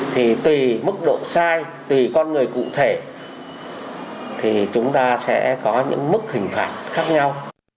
thì tùy mức độ sai tùy con người cụ thể thì chúng ta sẽ có những mức hình phạt khác nhau